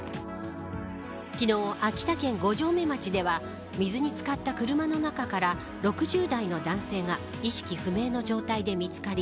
昨日、秋田県五城目町では水に浸かった車の中から６０代の男性が意識不明の状態で見つかり